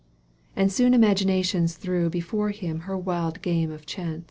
And soon imagination threw Before him her wild game of chance.